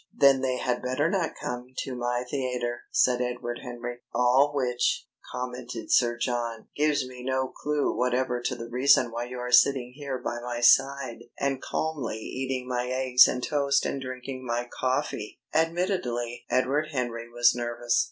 "Then they had better not come to my theatre," said Edward Henry. "All which," commented Sir John, "gives me no clue whatever to the reason why you are sitting here by my side and calmly eating my eggs and toast and drinking my coffee." Admittedly, Edward Henry was nervous.